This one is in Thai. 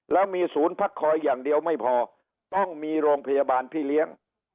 แล้วมีศูนย์พักคอยอย่างเดียวไม่พอต้องมีโรงพยาบาลพี่เลี้ยง